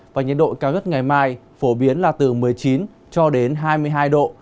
và nhiệt độ cao nhất ngày mai phổ biến là từ một mươi chín cho đến hai mươi hai độ